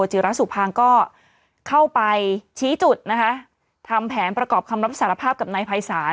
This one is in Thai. จิระสุภางก็เข้าไปชี้จุดนะคะทำแผนประกอบคำรับสารภาพกับนายภัยศาล